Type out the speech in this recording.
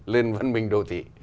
lên văn minh đô thị